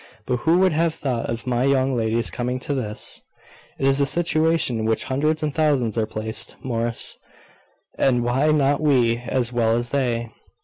But who would have thought of my young ladies coming to this?" "It is a situation in which hundreds and thousands are placed, Morris; and why not we, as well as they?"